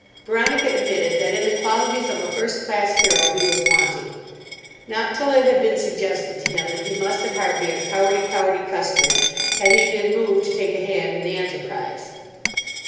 Veronica admitted that in the qualities of a first class hero he was wanting. Not till it had been suggested to him that he must at heart be a cowardy cowardy custard had he been moved to take a hand in the enterprise.